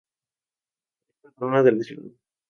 Es Patrona de la ciudad.